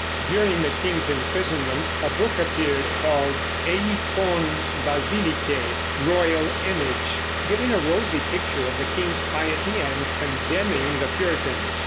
During the king's imprisonment a book appeared called Eikon Basilike (Royal Image), giving a rosy picture of the king's piety, and condemning the Puritans.